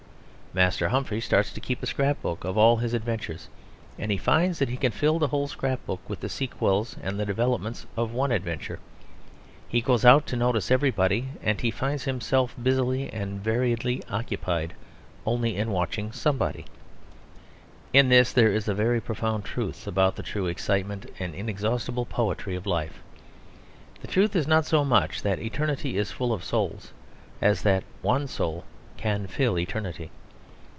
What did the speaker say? Master Humphrey starts to keep a scrap book of all his adventures, and he finds that he can fill the whole scrap book with the sequels and developments of one adventure; he goes out to notice everybody and he finds himself busily and variedly occupied only in watching somebody. In this there is a very profound truth about the true excitement and inexhaustible poetry of life. The truth is not so much that eternity is full of souls as that one soul can fill eternity.